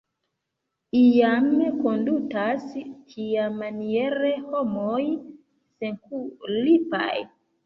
Iam kondutas tiamaniere homoj senkulpaj.